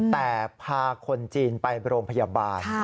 แต่พาคนจีนไปโรงพยาบาล